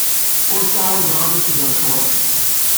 Ur ttɛawadeɣ ad as-geɣ ccɣel.